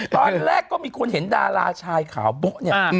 ตอนแรกก็มีคนเห็นดาราชายขาวโบ๊ะเนี่ย